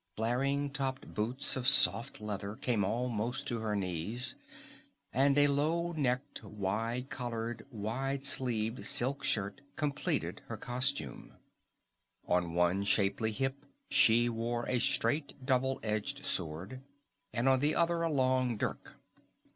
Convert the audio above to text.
Flaring topped boots of soft leather came almost to her knees, and a low necked, wide collared, wide sleeved silk shirt completed her costume. On one shapely hip she wore a straight double edged sword, and on the other a long dirk.